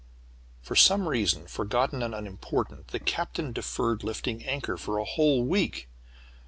"For some reason, forgotten and unimportant, the Captain deferred lifting anchor for a whole week.